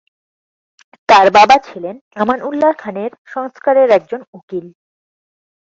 তার বাবা ছিলেন আমানউল্লাহ খানের সংস্কারের একজন উকিল।